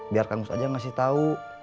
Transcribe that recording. biar kang mus aja ngasih tau